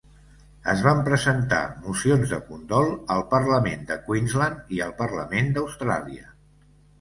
Es van presentar mocions de condol al Parlament de Queensland i al Parlament d'Austràlia.